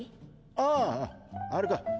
あああれか！